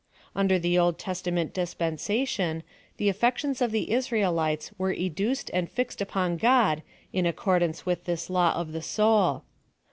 Under the Old Testament dispensation the aflec PLAN ^F SALVATION. 161 ti'ons of llic Israelites were educed and fixed lipon God in accordance with this law of the sonl.